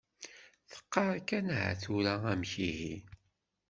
Teqqar kan aha tura amek ihi.